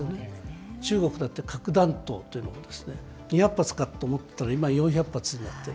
中国だって核弾頭というのを２００発かと思ったら、今は４００発になっている。